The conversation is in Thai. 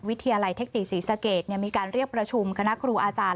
วิทยาลัยเทคนิคศรีสะเกดมีการเรียกประชุมคณะครูอาจารย์